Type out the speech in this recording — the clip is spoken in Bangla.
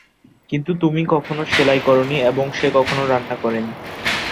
কিন্তু তুমি কখনো সেলাই করোনি এবং সে কখনো রান্না করেনি।